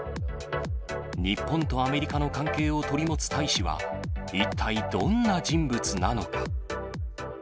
日本とアメリカの関係を取り持つ大使は、一体どんな人物なのか。